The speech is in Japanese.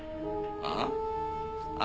ああ？